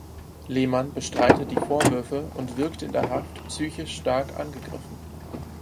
Lehmann bestreitet die Vorwürfe und wirkt in der Haft psychisch stark angegriffen.